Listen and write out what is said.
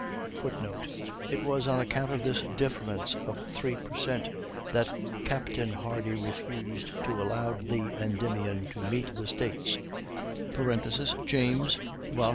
[Footnote: It was on account of this difference of 3 per cent that Captain Hardy refused to allow the Endymion to meet the States (James, vi.